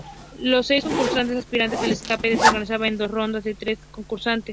Los seis concursantes aspirantes al escaparate se organizaban en dos rondas de tres concursantes.